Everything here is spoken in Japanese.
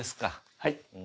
はい。